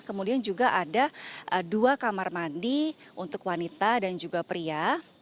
kemudian juga ada dua kamar mandi untuk wanita dan juga pria